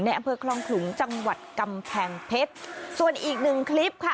อำเภอคลองขลุงจังหวัดกำแพงเพชรส่วนอีกหนึ่งคลิปค่ะ